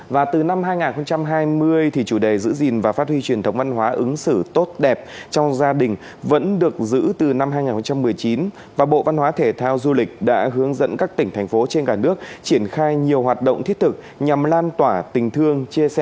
và từ năm hai nghìn hai mươi chủ đề giữ gìn và phát huy truyền thống văn hóa ứng xử tốt đẹp trong gia đình vẫn được giữ từ năm hai nghìn một mươi chín và bộ văn hóa thể thao du lịch đã hướng dẫn các tỉnh thành phố trên cả nước triển khai nhiều hoạt động thiết thực nhằm lan tỏa tình thương chia sẻ